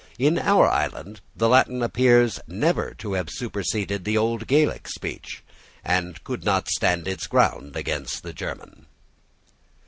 In our island the Latin appears never to have superseded the old Gaelic speech, and could not stand its ground against the German.